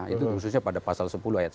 itu khususnya pada pasal sepuluh